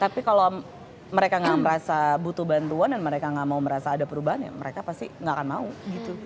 tapi kalau mereka nggak merasa butuh bantuan dan mereka gak mau merasa ada perubahan ya mereka pasti nggak akan mau gitu